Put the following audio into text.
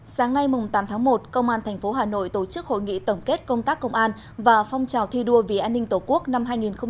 sáng nay tám tháng một công an tp hà nội tổ chức hội nghị tổng kết công tác công an và phong trào thi đua vì an ninh tổ quốc năm hai nghìn hai mươi